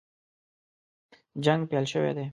جنګ پیل شوی دی.